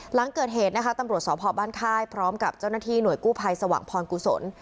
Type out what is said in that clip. หลังเกิดเหตุนะคะตำรวจสพบ้านค่ายพร้อมกับเจ้าหน้าที่หน่วยกู้ภัยสว่างพรกุศล